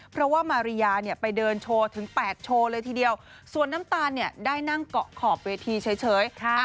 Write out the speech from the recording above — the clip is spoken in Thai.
เพราะว่ามาริยาเนี่ยไปเดินโชว์ถึง๘โชว์เลยทีเดียวส่วนน้ำตาลเนี่ยได้นั่งเกาะขอบเวทีเฉย